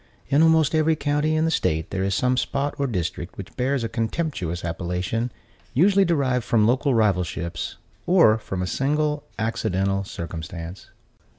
In almost every county in the state there is some spot or district which bears a contemptuous appellation, usually derived from local rivalships, or from a single accidental circumstance.